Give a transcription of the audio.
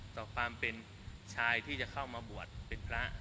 ต่อความเป็นชายที่จะเข้ามาบวชเป็นพระ